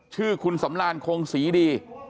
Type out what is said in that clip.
ชื่อคุณสำรานคงศรีดี